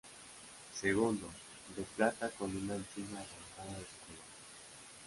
Segundo, de plata con una encina arrancada de su color.